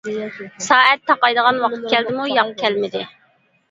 -سائەت تاقايدىغان ۋاقىت كەلدىمۇ؟ -ياق، كەلمىدى.